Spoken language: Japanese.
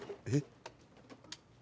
えっ？